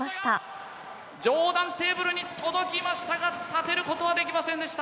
上段テーブルに届きましたが立てることはできませんでした。